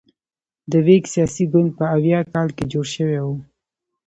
د ویګ سیاسي ګوند په اویا کال کې جوړ شوی و.